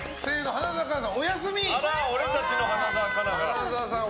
花澤さんが。